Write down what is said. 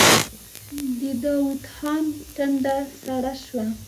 د داوود خان ټنډه سړه شوه.